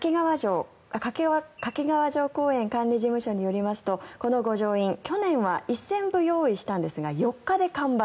掛川城公園管理事務所によりますと、この御城印去年は１０００部用意したんですが４日で完売。